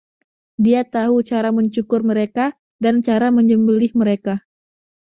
Dia tahu cara mencukur mereka, dan cara menyembelih mereka.